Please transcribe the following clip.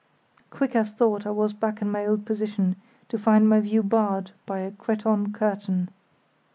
Quick as thought I was back in my old position, to find my view barred by a cretonne curtain.